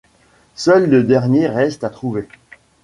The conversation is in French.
Seul le dernier reste à trouver.